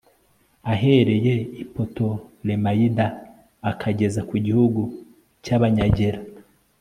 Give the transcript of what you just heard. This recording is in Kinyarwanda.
ahereye i putolemayida akageza ku gihugu cy'abanyagera